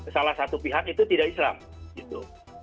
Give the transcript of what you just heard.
salah satu pihak itu tidak islam gitu